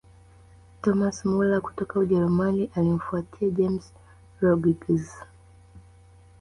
thomas muller kutoka ujerumani alimfuatia james rodriguez